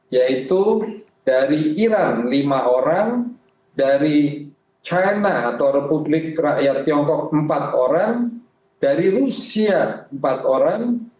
yaitu dari iran lima orang dari china atau republik rakyat tiongkok empat orang dari rusia empat orang